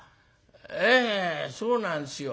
「ええそうなんですよ。